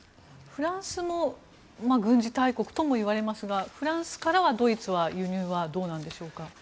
フランスも軍事大国ともいわれますがフランスからはドイツは輸入はどうなんでしょうか。